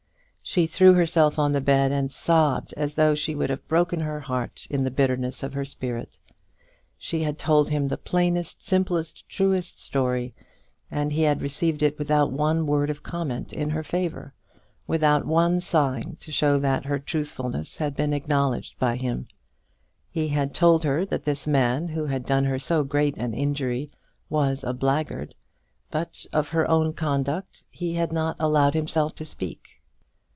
She threw herself on the bed, and sobbed as though she would have broken her heart in the bitterness of her spirit. She had told him the plainest, simplest truest story, and he had received it without one word of comment in her favour, without one sign to show that her truthfulness had been acknowledged by him! He had told her that this man, who had done her so great an injury, was a blackguard; but of her own conduct he had not allowed himself to speak.